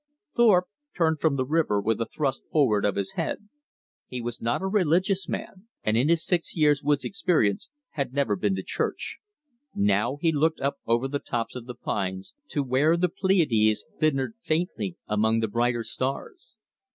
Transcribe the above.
Thorpe turned from the river with a thrust forward of his head. He was not a religious man, and in his six years' woods experience had never been to church. Now he looked up over the tops of the pines to where the Pleiades glittered faintly among the brighter stars.